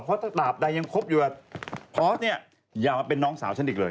เพราะถ้าตราบใดยังคบอยู่กับพอสเนี่ยอย่ามาเป็นน้องสาวฉันอีกเลย